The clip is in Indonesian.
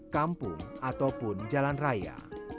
kampung ataupun jalan raya